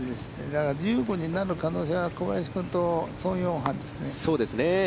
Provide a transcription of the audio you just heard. だから、１５になる可能性は小林君と宋永漢ですね。